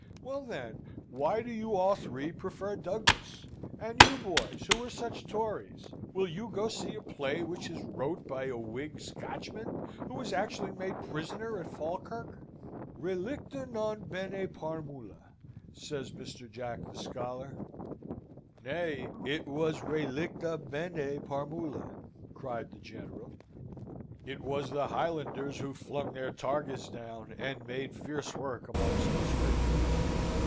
"Well, then, why do you all three prefer Douglas? And you, boys, who are such Tories, will you go see a play which is wrote by a Whig Scotchman, who was actually made prisoner at Falkirk?" "Relicta non bene parmula," says Mr. Jack the scholar. "Nay; it was relicta bene parmula," cried the General. "It was the Highlanders who flung their targes down, and made fierce work among us redcoats.